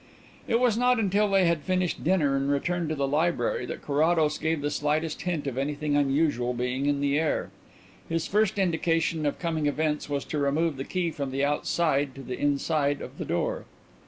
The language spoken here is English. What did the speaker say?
It was not until they had finished dinner and returned to the library that Carrados gave the slightest hint of anything unusual being in the air. His first indication of coming events was to remove the key from the outside to the inside of the door.